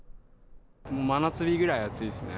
もう真夏日ぐらい、暑いですね。